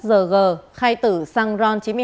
giờ g khai tử xăng ron chín mươi hai